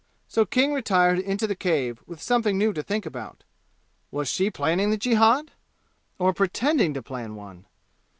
So King retired into the cave, with something new to think about. Was she planning the jihad! Or pretending to plan one?